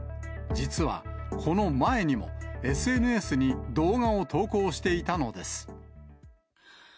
実は、この前にも、ＳＮＳに動画を投稿していたのです。